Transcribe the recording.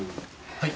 はい。